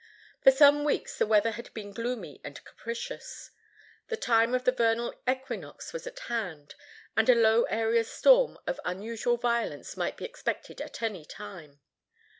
For some weeks the weather had been gloomy and capricious. The time of the vernal equinox was at hand, and a low area storm of unusual violence might be expected at any time.